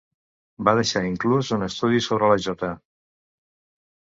Va deixar inclús un estudi sobre la jota.